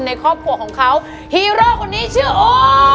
ให้ครอบครัวของเขาช่วย